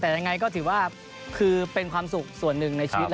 แต่ง่ายถือว่าเป็นความสุขส่วนหนึ่งในชีวิต